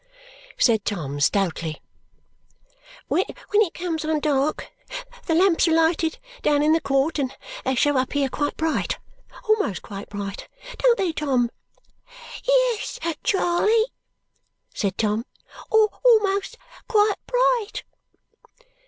said Tom stoutly. "When it comes on dark, the lamps are lighted down in the court, and they show up here quite bright almost quite bright. Don't they, Tom?" "Yes, Charley," said Tom, "almost quite bright."